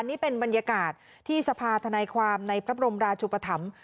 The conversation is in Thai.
นี่เป็นบรรยากาศที่สภาธนายความในพระบรมราชุปธรรม